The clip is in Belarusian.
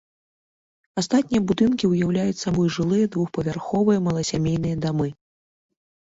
Астатнія будынкі ўяўляюць сабой жылыя двухпавярховыя маласямейныя дамы.